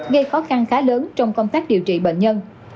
gây khó khăn khá lớn trong công tác điều trị bệnh nhân